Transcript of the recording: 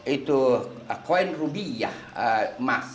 itu koin rubiah emas